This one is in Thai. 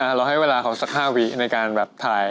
เราให้เวลาเขาสัก๕วิในการแบบถ่าย